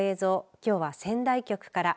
きょうは仙台局から。